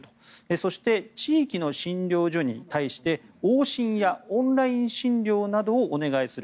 そして、地域の診療所に対して往診やオンライン診療などをお願いする。